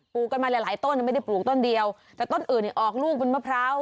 กันมาหลายหลายต้นไม่ได้ปลูกต้นเดียวแต่ต้นอื่นเนี่ยออกลูกเป็นมะพร้าว